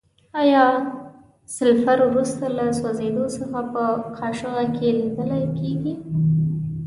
آیا سلفر وروسته له سوځیدو څخه په قاشوغه کې لیدل کیږي؟